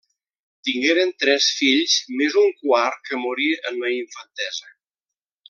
Tingueren tres fills més un quart que morí en la infantesa.